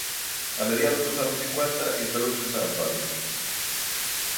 A mediados dos anos cincuenta instalouse en San Antonio.